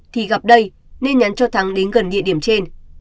thì gặp đây nên nhắn cho thắng đến gần địa điểm trên